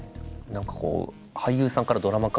何かこう俳優さんからドラマ化